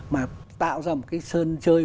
mà tạo ra một cái sơn chơi